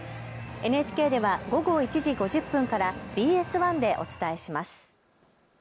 ＮＨＫでは午後１時５０分からＢＳ１でお伝えします。